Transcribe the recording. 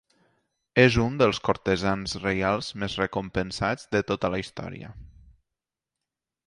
És un dels cortesans reials més recompensats de tota la història.